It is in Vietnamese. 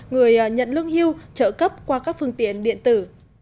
người nhận lương hưu trợ cấp qua các phương tiện điện tử